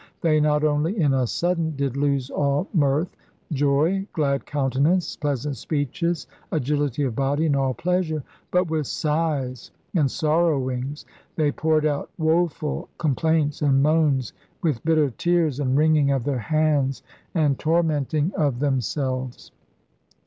*They not only in a sudden did lose all mirth, joy, glad countenance, pleasant speeches, agility of body, and all pleasure, but, with sighs and sorrowings, they poured out woefull complayntes and moans with bitter tears, and wringing of their hands, and tormenting of ' ENCOMPASSMENT OF ALL THE WORLDS ' 141 themselves.'